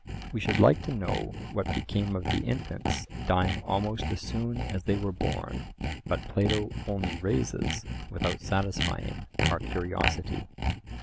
We should like to know what became of the infants "dying almost as soon as they were born," but Plato only raises, without satisfying, our curiosity.